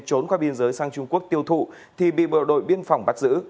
trốn qua biên giới sang trung quốc tiêu thụ thì bị bộ đội biên phòng bắt giữ